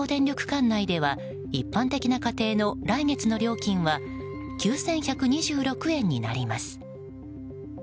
管内では一般的な家庭の来月の電気料金は９１２６円になります。